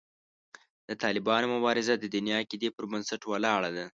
د طالبانو مبارزه د دیني عقیدې پر بنسټ ولاړه ده.